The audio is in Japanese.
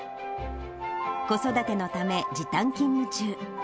子育てのため、時短勤務中。